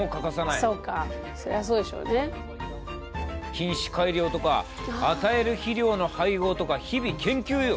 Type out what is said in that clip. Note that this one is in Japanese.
品種改良とか与える肥料の配合とか日々研究よ。